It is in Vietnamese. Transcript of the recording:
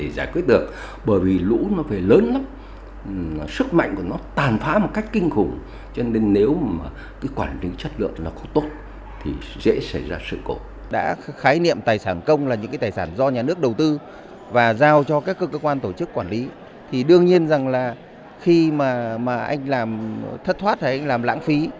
giao cho các cơ quan tổ chức quản lý thì đương nhiên rằng là khi mà anh làm thất thoát hay anh làm lãng phí